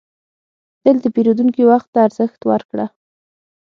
تل د پیرودونکي وخت ته ارزښت ورکړه.